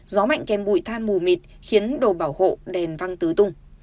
gió mạnh kèm bụi than mù mịt khiến đồ bảo hộ đèn văng tứ tung